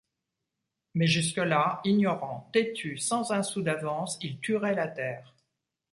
Mais, jusque-là, ignorant, têtu, sans un sou d’avance, il tuerait la terre.